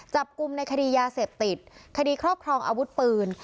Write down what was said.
จับกลุ่มในคดียาเสพติดคดีครอบครองอาวุธปืน